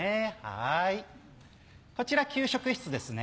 はいこちら給食室ですね。